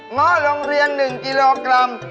ง้อโรงเรียน๑กิโลกรัม